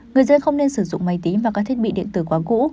người dân không nên sử dụng máy tính và các thiết bị điện tử quá cũ